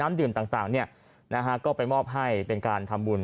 น้ำดื่นต่างเนี่ยก็ไปมอบให้เป็นการทำบุญ